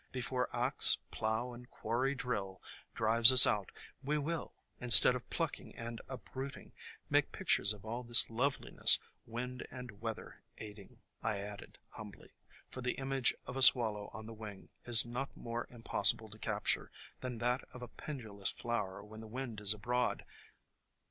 Be fore axe, plow and quarry drill drive us out we will, instead of plucking and uprooting, make pic tures of all this loveliness — wind and weather aid ing," I added humbly, for the image of a swallow on the wing is not more impossible to capture than that of a pendulous flower when the wind is abroad.